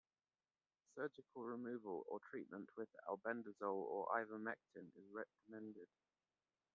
Surgical removal or treatment with albendazole or ivermectin is recommended.